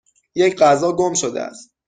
یک غذا گم شده است.